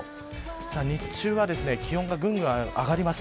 日中は気温がぐんぐん上がります